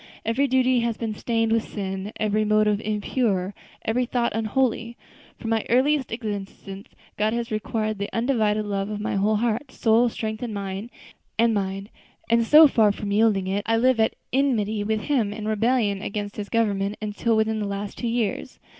Every duty has been stained with sin, every motive impure, every thought unholy. From my earliest existence, God has required the undivided love of my whole heart, soul, strength, and mind; and so far from yielding it, I live at enmity with Him, and rebellion against His government, until within the last two years.